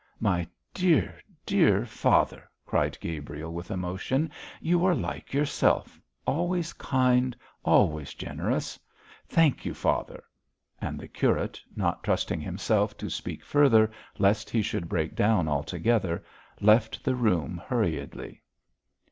'My dear, dear father!' cried Gabriel, with emotion, 'you are like yourself; always kind, always generous. Thank you, father!' And the curate, not trusting himself to speak further, lest he should break down altogether, left the room hurriedly.